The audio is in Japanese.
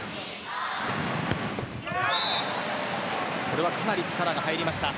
これはかなり力が入りました。